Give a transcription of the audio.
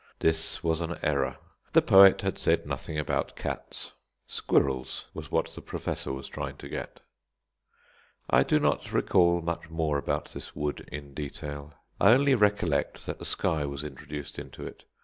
This was an error; the poet had said nothing about cats; squirrels was what the Professor was trying to get. I do not recall much more about this wood in detail. I only recollect that the sky was introduced into it.